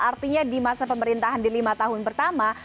artinya di masa pemerintahan di lima tahun pertama